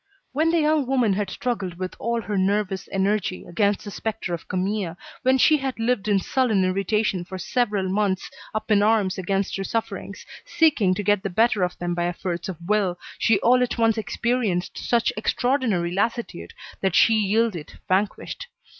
When the young woman had struggled with all her nervous energy against the spectre of Camille, when she had lived in sullen irritation for several months up in arms against her sufferings, seeking to get the better of them by efforts of will, she all at once experienced such extraordinary lassitude that she yielded vanquished.